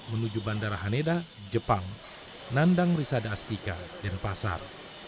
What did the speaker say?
menuju bandara haneda jepang nandang risada astika dan pasar